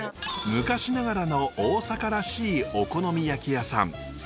昔ながらの大阪らしいお好み焼き屋さん。